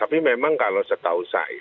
tapi memang kalau setahu saya